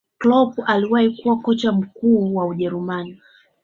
Kloop aliwahi kuwa kocha mkuu wa ujerumani